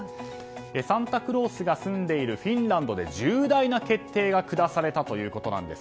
サンタクロースが住んでいるフィンランドで重大な決定が下されたということです。